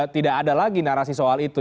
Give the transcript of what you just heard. tidak ada lagi narasi soal itu